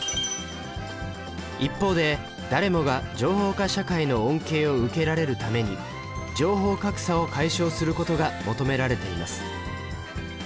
一方で誰もが情報化社会の恩恵を受けられるために情報格差を解消することが求められています。